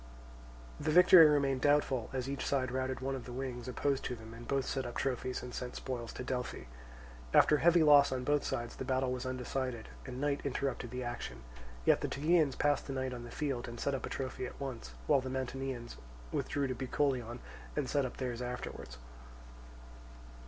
The victory remained doubtful, as each side routed one of the wings opposed to them, and both set up trophies and sent spoils to Delphi. After heavy loss on both sides the battle was undecided, and night interrupted the action; yet the Tegeans passed the night on the field and set up a trophy at once, while the Mantineans withdrew to Bucolion and set up theirs afterwards.